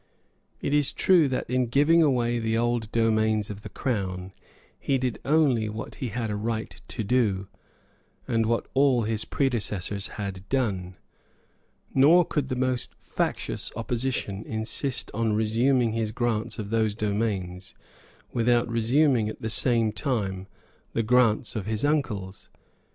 It is true that in giving away the old domains of the Crown he did only what he had a right to do, and what all his predecessors had done; nor could the most factious opposition insist on resuming his grants of those domains without resuming at the same time the grants of his uncles.